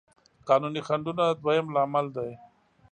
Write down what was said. قانوني خنډونه دويم لامل دی.